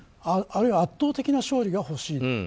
あるいは圧倒的な勝利が欲しい。